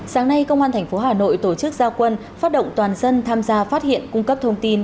sáng nay công an tp hà nội tổ chức giao quân phát động toàn dân tham gia phát hiện cung cấp thông tin